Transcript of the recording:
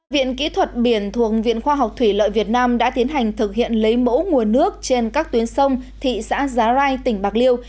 viện kỹ thuật biển thuộc viện khoa học thủy lợi việt nam đã tiến hành thực hiện lấy mẫu nguồn nước trên các tuyến sông thị xã giá rai tỉnh bạc liêu